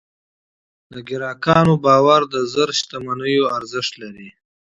د پیرودونکي باور د زر شتمنیو ارزښت لري.